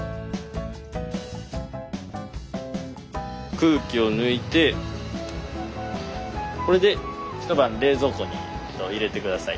空気を抜いてこれで一晩冷蔵庫に入れて下さい。